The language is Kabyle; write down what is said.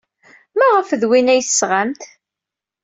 Maɣef d win ay d-tesɣamt?